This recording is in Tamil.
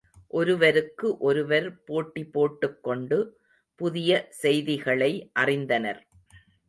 ஒருவருக்கு ஒருவர் போட்டி போட்டுக் கொண்டு புதிய செய்திகளை அறிந்தனர்.